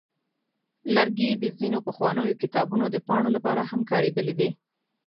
لرګي د ځینو پخوانیو کتابونو د پاڼو لپاره هم کارېدلي دي.